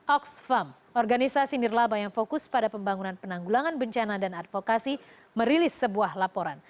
oxfam organisasi nirlaba yang fokus pada pembangunan penanggulangan bencana dan advokasi merilis sebuah laporan